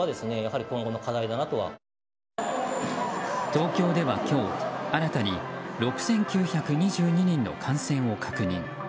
東京都では今日新たに６９２２人の感染を確認。